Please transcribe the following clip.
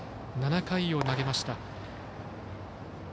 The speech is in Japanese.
７回を投げました。